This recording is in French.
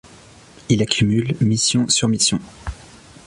Il accumule mission sur mission.